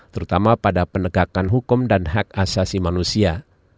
terutama pada penegakan hukum dan hak asasi manusia